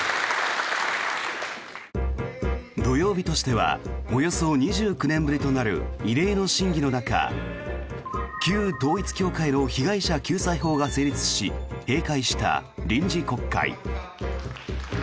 土曜日としてはおよそ２９年ぶりとなる異例の審議の中旧統一教会の被害者救済法が成立し、閉会した臨時国会。